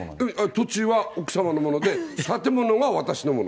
土地は奥様のもので、建物は私のもの。